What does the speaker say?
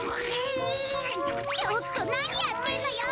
ちょっとなにやってんのよ！